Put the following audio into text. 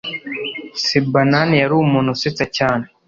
Sebanani yari umuntu usetsa cyane